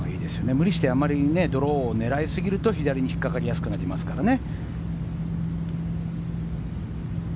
無理してあまりドローを狙いすぎると左に引っかかりやすくなりますからね。